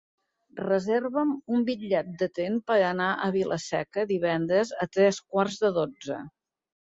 Reserva'm un bitllet de tren per anar a Vila-seca divendres a tres quarts de dotze.